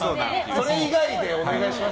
それ以外でお願いします。